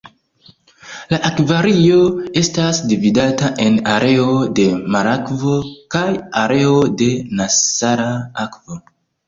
La "akvario" estas dividata en areo de marakvo kaj areo de nesala akvo.